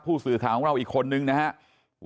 ผู้สื่อข่าวของเราอีกคนนึงนะครับ